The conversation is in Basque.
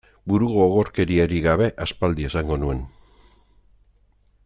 Burugogorkeriarik gabe aspaldi esango nuen.